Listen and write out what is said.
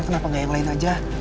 kenapa nggak yang lain aja